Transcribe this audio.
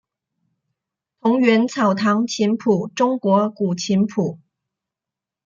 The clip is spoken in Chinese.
桐园草堂琴谱中国古琴谱。